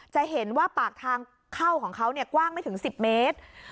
จะเห็นว่าปากทางเข้าของเขากว้างไม่ถึง๑๐เมตร